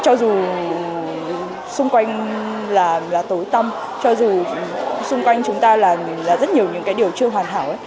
cho dù xung quanh là tối tâm cho dù xung quanh chúng ta là rất nhiều những cái điều chưa hoàn hảo